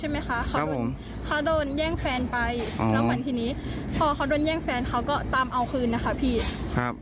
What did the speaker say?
ไม่ได้พกอะไรเลยแล้วเขาจะมาคนเดียว